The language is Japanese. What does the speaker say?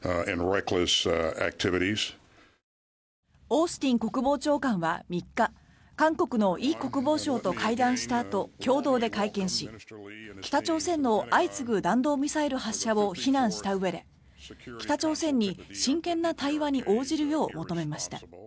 オースティン国防長官は３日韓国のイ国防相と会談したあと共同で会見し北朝鮮の相次ぐ弾道ミサイル発射を非難したうえで北朝鮮に真剣な対話に応じるよう求めました。